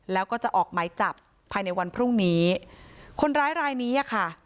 แล้วก็จะออกหมายจับภายในวันพรุ่งนี้คนร้ายรายนี้อ่ะค่ะ